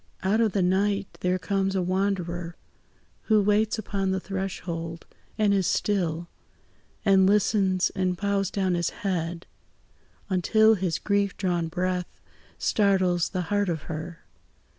Out of the night there comes a wanderer, Who waits upon the threshold, and is still; And listens, and bows down his head, until His grief drawn breath startles the heart of her.